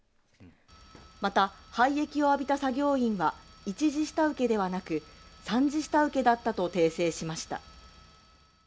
また廃液を浴びた作業員は１次下請けではなく３次下請けだったと訂正しました